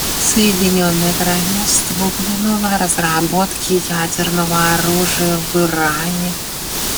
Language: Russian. Соединенное Королевство упомянуло о разработке ядерного оружия в Иране.